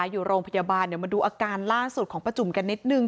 อยู่โรงพยาบาลเดี๋ยวมาดูอาการล่าสุดของประจุมกันนิดนึง